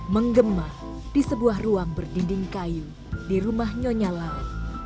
menggema di sebuah ruang berdinding kayu di rumah nyonya lau